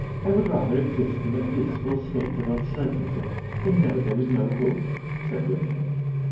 I would rather exist in a blissful state of uncertainty than know there was no hope," said Wyndham.